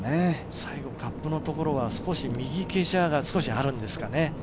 最後、カップのところは少し右傾斜があるんですかね？